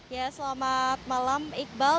ya selamat malam iqbal